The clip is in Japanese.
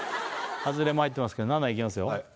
ハズレも入ってますけど７いきますよ